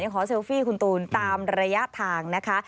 เซลฟี่คุณตูนตามระยะทางนะคะ